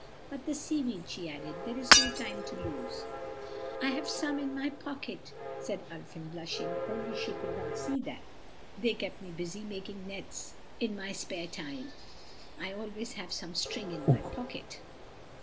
"But the seaweed," she added, "there is no time to lose." "I have some in my pocket," said Ulfin, blushing, only she could not see that. "They keep me busy making nets in my spare time—I always have some string in my pocket."